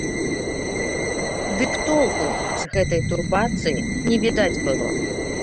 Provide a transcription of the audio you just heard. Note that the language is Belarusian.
Ды б толку з гэтай турбацыі не відаць было.